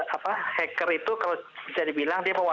hacker itu kalau bisa dibilang dia mewajak